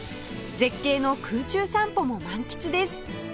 絶景の空中散歩も満喫です